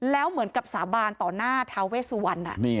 แล้วเหมือนกับสาบานต่อหน้าทาเวสุวรรณ